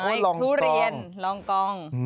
ทุเรียนลองกล้องอุ๊ยลองกล้อง